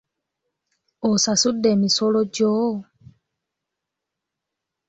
Osasudde emisolo gyo?